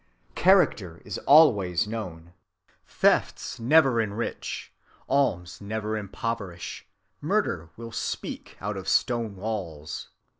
Character is always known. Thefts never enrich; alms never impoverish; murder will speak out of stone walls.